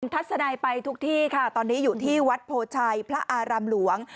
ทัศนัยไปทุกที่ค่ะตอนนี้อยู่ที่วัดโพชัยพระอารามหลวง